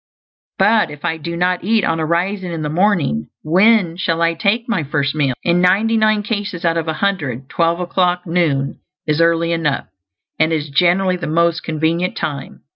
But if I do not eat on arising in the morning, when shall I take my first meal? In ninety nine cases out of a hundred twelve o'clock, noon, is early enough; and it is generally the most convenient time.